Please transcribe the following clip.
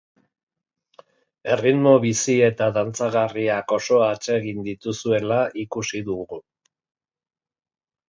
Erritmo bizi eta dantzagarriak oso atsegin dituzuela ikusi dugu.